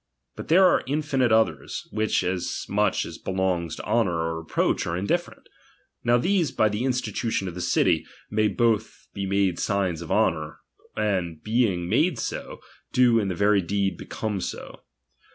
But there are infinite others, which, as much as belongs to honour or reproach, are indifferent. Now these, by the institution of the city, may both be made signs of honour, and being made so, do in very deed become so.